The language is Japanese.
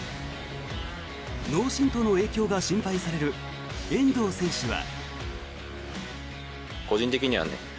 脳振とうの影響が心配される遠藤選手は。